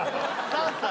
３歳？